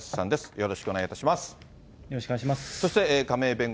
よろしくお願いします。